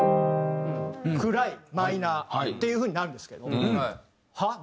暗いマイナーっていう風になるんですけどはっ？